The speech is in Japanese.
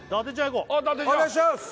こうお願いします！